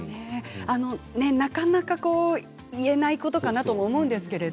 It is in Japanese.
なかなか言えないことかなと思うんですけど。